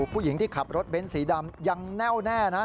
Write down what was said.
ผู้หญิงที่ขับรถเบ้นสีดำยังแน่วแน่นะครับ